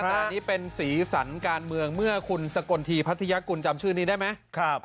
อันนี้เป็นสีสันการเมืองเมื่อคุณสกลทีพัทยากุลจำชื่อนี้ได้ไหม